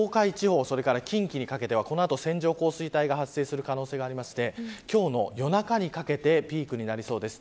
東海地方、近畿にかけてはこの後、線状降水帯が発生する可能性がありまして今日の夜中にかけてピークになりそうです。